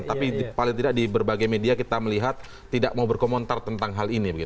tapi paling tidak di berbagai media kita melihat tidak mau berkomentar tentang hal ini